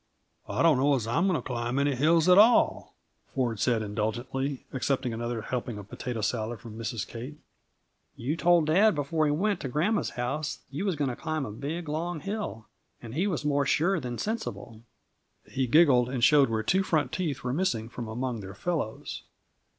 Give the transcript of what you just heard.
"I don't know as I'm going to climb any hills at all," Ford said indulgently, accepting another helping of potato salad from Mrs. Kate. "You told dad before he went to gran'ma's house you was going to climb a big, long hill, and he was more sure than sensible." He giggled and showed where two front teeth were missing from among their fellows.